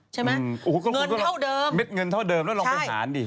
ใช่ไหมเงินเท่าเดิมเออก็มัดเงินเท่าเดิมลงไปหารกันดิ